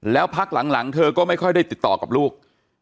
แล้วพักหลังเธอก็ไม่ค่อยได้ติดต่อกับลูก